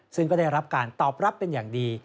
ซึ่งก็ได้รับการตอบรับเป็นอย่างดี